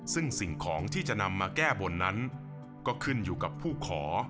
ซึ่งสิ่งของที่จะนำมาแก้บนนั้นก็ขึ้นอยู่กับผู้ขอ